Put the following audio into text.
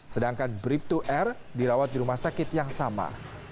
sedangkan brip dua r dirawat di rumah sakit yang sama